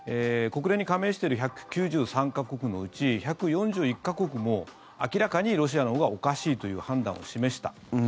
国連に加盟している１９３か国のうち１４１か国も、明らかにロシアのほうがおかしいという判断を示した。